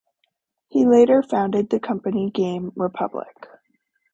He later founded the company Game Republic.